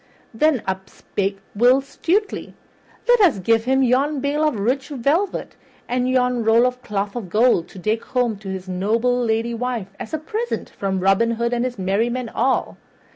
Then up spake Will Stutely, "Let us give him yon bale of rich velvet and yon roll of cloth of gold to take home to his noble lady wife as a present from Robin Hood and his merry men all."